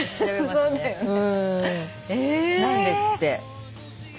なんですって。